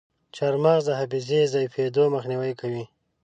چارمغز د حافظې ضعیفیدو مخنیوی کوي.